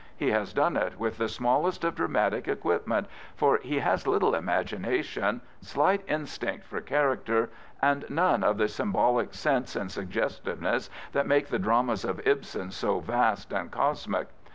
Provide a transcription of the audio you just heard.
He has done it with the smallest of dramatic n Prophets, Priests, and Kings equipment, for he has little imagination, slight instinct for character, and none of the symbolic sense and suggestiveness that make the dramas of Ibsen so vast and cosmic.